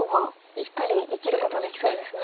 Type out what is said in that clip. しっかり生きることできそうですね。